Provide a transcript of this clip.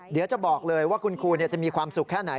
เดี๋ยวจะบอกเลยว่าคุณครูจะมีความสุขแค่ไหน